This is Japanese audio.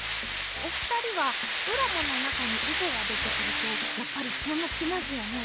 お二人はドラマの中に囲碁が出てくるとやっぱり注目しますよね？